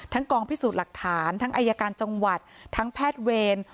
กองพิสูจน์หลักฐานทั้งอายการจังหวัดทั้งแพทย์เวร